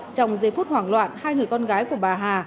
trong giây phút hoảng loạn hai người con gái của bà hà